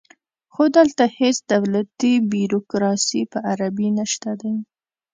خو دلته هیڅ دولتي بیروکراسي په عربي نشته دی